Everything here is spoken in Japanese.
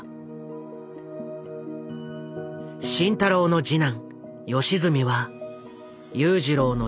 慎太郎の次男良純は裕次郎の人生